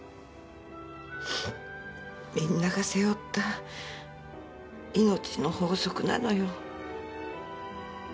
みんなが背負った命の法則なのよ。